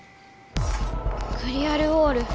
クリアルウォール。